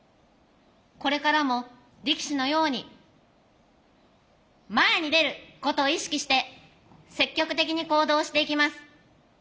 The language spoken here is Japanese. これからも力士のように「前に出る」ことを意識して積極的に行動していきます。